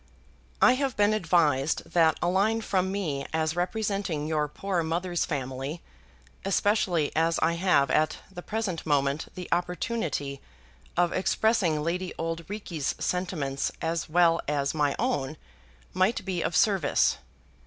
I have been advised that a line from me as representing your poor mother's family, especially as I have at the present moment the opportunity of expressing Lady Auld Reekie's sentiments as well as my own, might be of service.